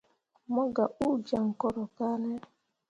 Mo gah uu jaŋ koro kane.